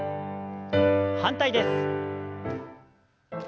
反対です。